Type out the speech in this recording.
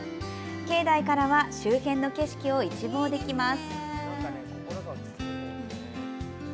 境内からは周辺の景色を一望できます。